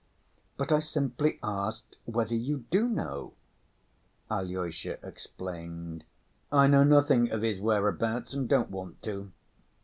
"But I simply asked whether you do know?" Alyosha explained. "I know nothing of his whereabouts and don't want to."